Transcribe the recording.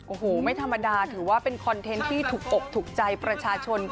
โอ้โหไม่ธรรมดาถือว่าเป็นคอนเทนต์ที่ถูกอกถูกใจประชาชน